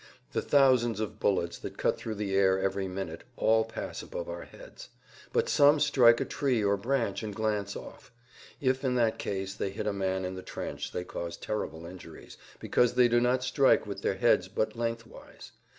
The thousands of bullets that cut through the air every minute all pass above our heads. But some strike a tree or branch and glance off. If in that case they hit a man in the trench they cause terrible injuries, because they do not strike with their heads but lengthwise.